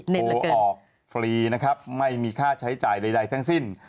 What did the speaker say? โทรออกฟรีนะครับไม่มีค่าใช้จ่ายใดทั้งสิ้น